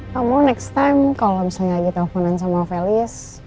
kamu next time kalau misalnya kita hubungan sama felis